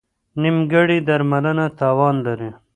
نیمګړې درملنه تاوان لري.